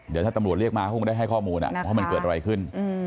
เดี๋ยวถ้าตำรวจเรียกมาคงได้ให้ข้อมูลว่ามันเกิดอะไรขึ้น